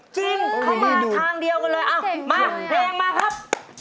จริงเข้ามาทางเดียวกันเลยอ้าวมาเดี๋ยวกันมาครับ